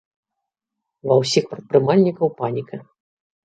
Ва ўсіх прадпрымальнікаў паніка.